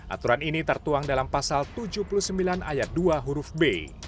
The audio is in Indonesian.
aturan ini tertuang dalam pasal tujuh puluh sembilan ayat dua huruf b